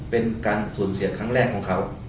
เป็นการสูญเสียครั้งแรกของเขา